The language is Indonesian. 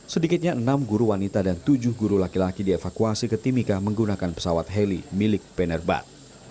sedikitnya enam guru wanita dan tujuh guru laki laki dievakuasi ke timika menggunakan pesawat heli milik penerbat